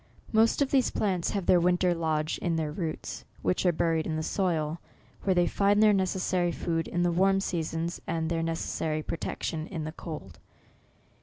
Most of these plants have their winter lodge in their roots, which are buried in the soil, where they find their *92 NOVEMBER. necessary food in the warm seasons, and their necessary protection in the cold.